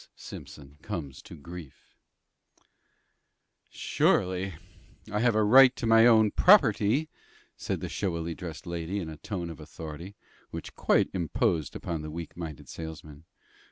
SIMPSON COMES TO GRIEF "Surely I have a right to my own property," said the showily dressed lady in a tone of authority, which quite imposed upon the weak minded salesman.